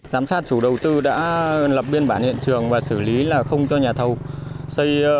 giám sát chủ đầu tư đã lập biên bản hiện trường và xử lý là không cho nhà thầu xây